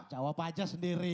jawab aja sendiri